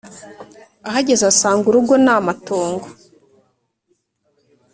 ahageze asanga urugo namatongo